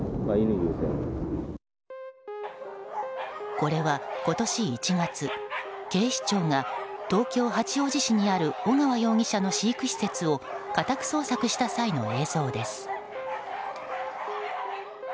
これは今年１月、警視庁が東京・八王子市にある尾川容疑者の飼育施設を家宅捜索した際の映像です。